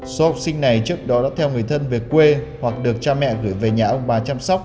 số học sinh này trước đó đã theo người thân về quê hoặc được cha mẹ gửi về nhà ông bà chăm sóc